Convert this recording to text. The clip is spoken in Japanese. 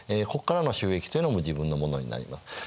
ここからの収益というのも自分のものになります。